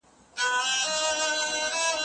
تمساح 🐊